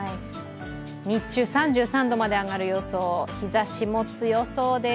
日中３３度まで上がる予想、日ざしも強そうです。